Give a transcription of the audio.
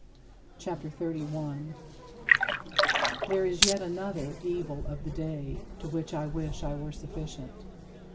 CHAPTER XXXI 43. There is yet another "evil of the day" to which I wish I were sufficient.